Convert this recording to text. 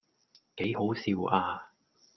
幾好笑呀